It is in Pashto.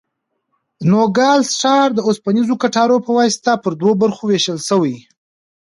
نوګالس ښار د اوسپنیزو کټارو په واسطه پر دوو برخو وېشل شوی.